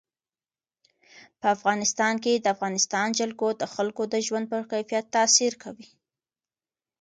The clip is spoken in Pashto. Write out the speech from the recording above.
په افغانستان کې د افغانستان جلکو د خلکو د ژوند په کیفیت تاثیر کوي.